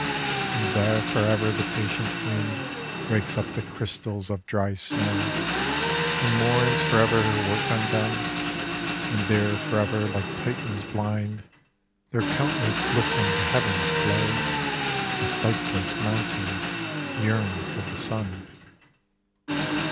And there for ever the patient Wind Rakes up the crystals of dry snow, And mourns for ever her work undone; And there for ever, like Titans blind, Their countenance lifting to Heaven's glow, The sightless Mountains yearn for the Sun.